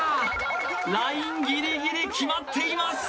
ラインギリギリ決まっています